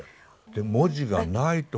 で文字がないとこ。